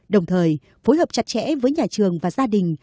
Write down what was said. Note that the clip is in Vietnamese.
đồng thời phối hợp chặt chẽ với nhà trường và gia đình